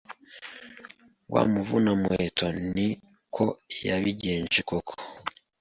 ”Wa muvunamuheto ni ko yabigenje koko,